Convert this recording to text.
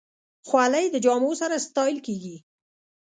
خولۍ د جامو سره ستایل کېږي.